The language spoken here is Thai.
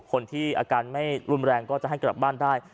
คนที่อาการไม่รุนแรงก็จะให้กลับบ้านได้